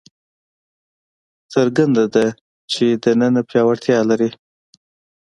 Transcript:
څرګنده ده چې دننه پیاوړتیا لري.